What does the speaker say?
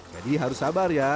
jadi harus sabar ya